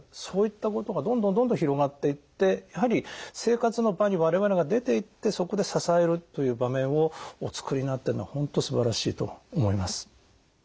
そういったことがどんどんどんどん広がっていってやはり生活の場に我々が出ていってそこで支えるという場面をおつくりになっているのは本当すばらしいと思います。